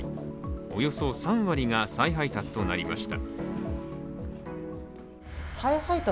およそ３割が再配達となりました。